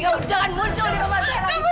kamu jangan muncul di rumah saya lagi